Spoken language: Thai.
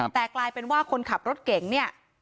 แต่กลายเป็นว่าคนขับรถเก่งเนี่ย